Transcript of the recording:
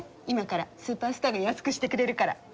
今からスーパースターが安くしてくれるから。